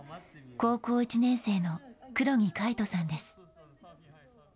高校１年生の黒木海音さんです。